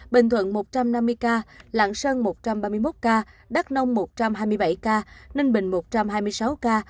bình thuận một trăm năm mươi ca lạng sơn một trăm ba mươi một ca đắk nông một trăm hai mươi bảy ca ninh bình một trăm hai mươi sáu ca